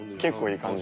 いい感じ。